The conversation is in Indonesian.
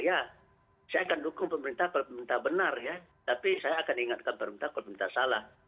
ya saya akan dukung pemerintah kalau pemerintah benar ya tapi saya akan ingatkan pemerintah kalau pemerintah salah